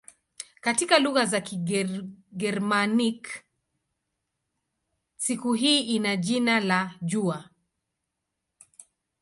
Katika lugha za Kigermanik siku hii ina jina la "jua".